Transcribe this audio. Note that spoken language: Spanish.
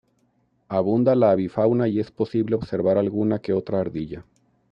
Abunda la avifauna y es posible observar alguna que otra ardilla.